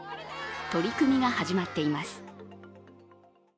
取り組みが始まっています。